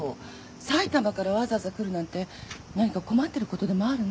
埼玉からわざわざ来るなんて何か困ってることでもあるの？